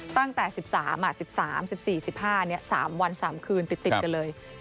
ตั้งแต่๑๓๑๓๑๔๑๕๓วัน๓คืนติดกันเลย